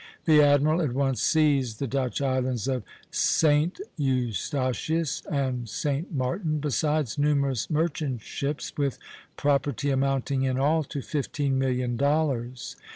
The admiral at once seized the Dutch islands of St. Eustatius and St. Martin, besides numerous merchant ships, with property amounting in all to fifteen million dollars.